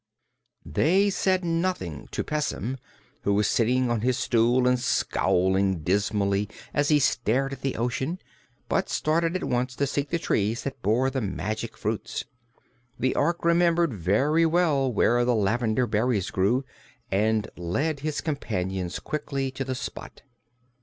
They said nothing to Pessim, who was sitting on his stool and scowling dismally as he stared at the ocean, but started at once to seek the trees that bore the magic fruits. The Ork remembered very well where the lavender berries grew and led his companions quickly to the spot.